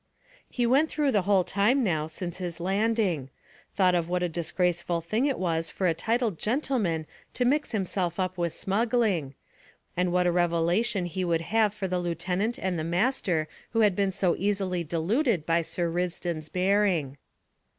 He went through the whole time now since his landing; thought of what a disgraceful thing it was for a titled gentleman to mix himself up with smuggling, and what a revelation he would have for the lieutenant and the master who had been so easily deluded by Sir Risdon's bearing.